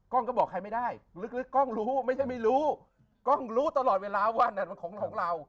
กล้องก็บอกใครไม่ได้ลึกกล้องรู้ไม่ใช่ไม่รู้กล้องรู้ตลอดเวลาว่านั่นของเรา